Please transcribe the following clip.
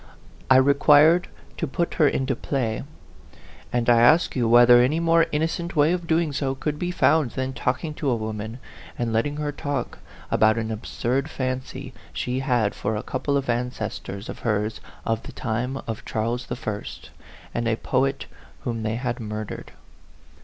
I required to put her into play. And I ask you whether any more innocent way of doing so could be found than talking to a woman, and letting her talk, about an absurd fancy she had for a couple of ancestors of hers of the time of Charles I. and a poet whom they had murdered?